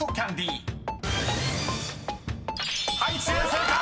［正解！